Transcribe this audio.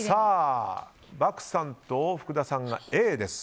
漠さんと福田さんがＡです。